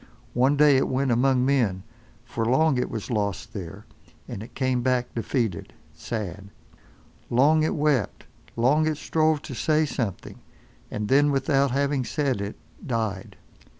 One day it went among men, for long it was lost there, and it came back defeated, sad. Long it wept, long it strove to say something, and then without having said it—died.